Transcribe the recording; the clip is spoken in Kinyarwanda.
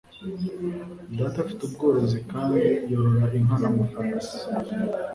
Data afite ubworozi kandi yorora inka n'amafarasi